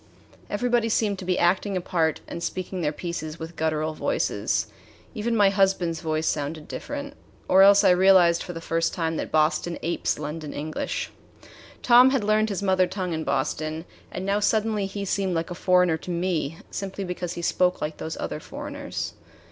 Everybody seemed to be acting a part and speaking their pieces with guttural voices. Even my husband's voice sounded different or else I realized for the first time that Boston apes London English. Tom had learned his mother tongue in Boston, and now suddenly he seemed like a foreigner to me simply because he spoke like these other foreigners.